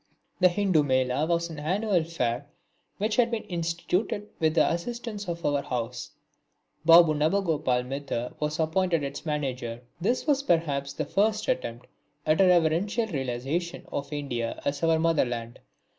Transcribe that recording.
The Hindu Mela was an annual fair which had been instituted with the assistance of our house. Babu Nabagopal Mitter was appointed its manager. This was perhaps the first attempt at a reverential realisation of India as our motherland.